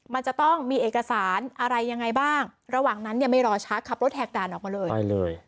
มันจะต้องมีเอกสารอะไรยังไงบ้างระหว่างนั้นเนี่ยไม่รอชักขับรถแหกด่านออกมาเลยไปเลย